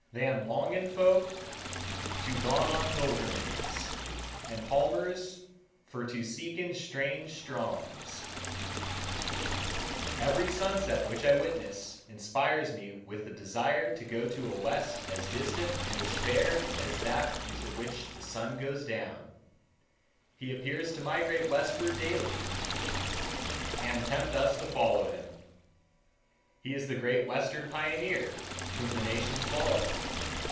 "Than longen folk to gon on pilgrimages, And palmeres for to seken strange strondes." Every sunset which I witness inspires me with the desire to go to a West as distant and as fair as that into which the sun goes down. He appears to migrate westward daily, and tempt us to follow him. He is the Great Western Pioneer whom the nations follow.